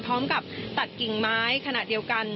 พร้อมกับตัดกิ่งไม้ขณะเดียวกัน